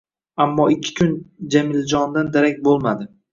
Ammo ikki kun Jamiljondan darak boʻlmadi